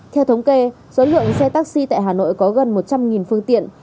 theo thống kê số lượng xe taxi tại hà nội có gần một trăm linh phương tiện